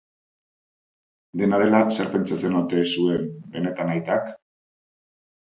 Dena dela, zer pentsatzen ote zuen benetan aitak?